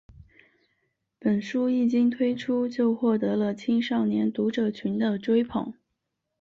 本书一经推出就获得了青少年读者群的追捧。